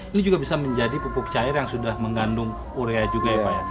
ini juga bisa menjadi pupuk cair yang sudah mengandung urea juga ya pak ya